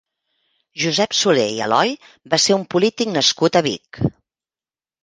Josep Soler i Aloy va ser un polític nascut a Vic.